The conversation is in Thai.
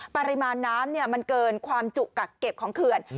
ปริมาณน้ำมันเกินความจุกักเก็บของเขื่อน